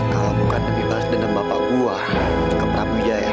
kalau bukan demi balas dendam bapak gue ke prabu wijaya